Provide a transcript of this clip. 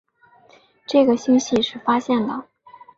这个星系是发现的。